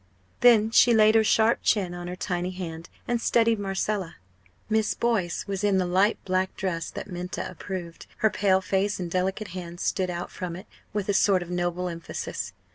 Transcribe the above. Then she laid her sharp chin on her tiny hand, and studied Marcella. Miss Boyce was in the light black dress that Minta approved; her pale face and delicate hands stood out from it with a sort of noble emphasis.